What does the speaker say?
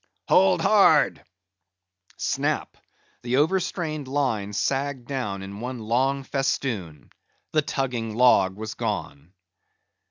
"Hold hard!" Snap! the overstrained line sagged down in one long festoon; the tugging log was gone.